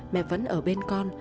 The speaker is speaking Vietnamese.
mẹ vẫn ở bên con